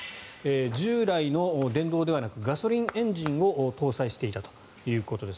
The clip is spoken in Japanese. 従来の電動ではなくガソリンエンジンを搭載していたということです。